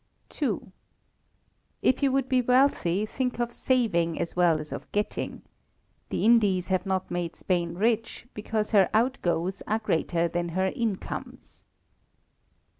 If you would be wealthy, think of saving as well as of getting. The Indies have not made Spain rich, because her out goes are greater than her in comes.